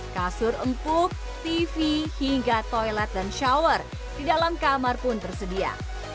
kasur empuk tv hingga toilet dan shower di dalam kamar pun tersedia